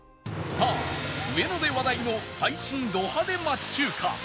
さあ上野で話題の最新ド派手町中華翠雲